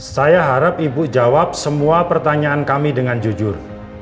saya harap ibu jawab semua pertanyaan kami dengan jujur